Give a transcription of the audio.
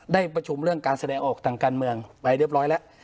ได้ประชุมเรื่องการแสดงออกทางการเมืองไปเรียบร้อยแล้ว